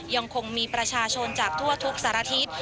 ยังคงมีประชาชนจากทั่วทุกสารทิศ